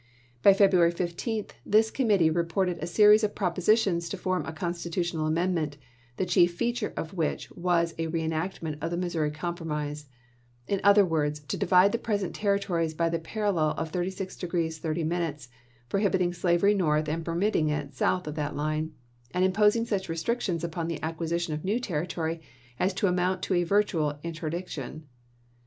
By February lsei. 15 this committee reported a series of propositions to form a constitutional amendment, the chief feature of which was a reenactment of the Mis souri Compromise ; in other words, to divide the present Territories by the parallel of 36° 30', pro hibiting slavery north and permitting it south of that line, and imposing such restrictions upon the acquisition of new territory as to amount to a vir tual interdiction.